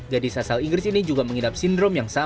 tidak ada yang bisa mengalaminya